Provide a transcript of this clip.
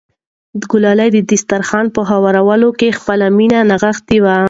ګلالۍ د دسترخوان په هوارولو کې خپله مینه نغښتې وه.